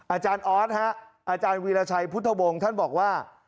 อาจารย์ออสฮะอาจารย์วีรชัยพุทธวงศ์ท่านบอกว่า